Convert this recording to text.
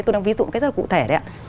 tôi đang ví dụ một cái rất là cụ thể đấy ạ